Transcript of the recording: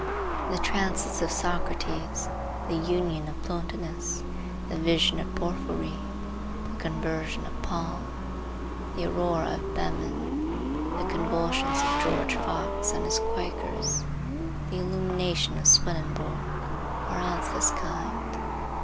The trances of Socrates, the "union" of Plotinus, the vision of Porphyry, the conversion of Paul, the aurora of Behmen, the convulsions of George Fox and his Quakers, the illumination of Swedenborg, are of this kind.